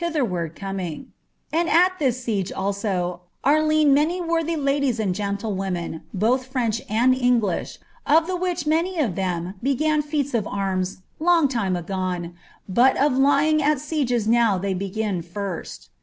99 * And at this siege also are lien many worthy ladies and j'antilwomen^ both French and English, of the which many of them began feats of arms long time ■fone, but of lying at sieges now they begin first.